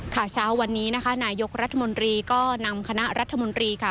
เช้าวันนี้นะคะนายกรัฐมนตรีก็นำคณะรัฐมนตรีค่ะ